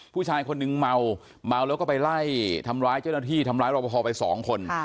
ผู้ชายคนนึงเมาเมาแล้วก็ไปไล่ทำร้ายเจ้าหน้าที่ทำร้ายรอปภไปสองคน